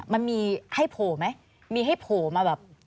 มันมีให้โผล่ไหมมีให้โผล่มาแบบ